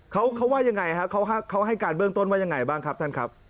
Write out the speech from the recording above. เขาว่ายังไงฮะเขาให้การเบื้องต้นว่ายังไงบ้างครับท่านครับ